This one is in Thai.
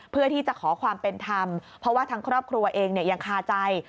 เพื่อที่จะขอความเป็นธรรมเพราะว่าทางครอบครัวเองยังคาใจ